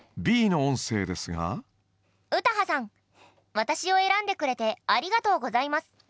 私を選んでくれてありがとうございます。